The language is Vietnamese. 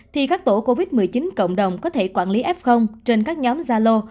thì các tổ covid một mươi chín cộng đồng có thể quản lý f trên các nhóm gia lô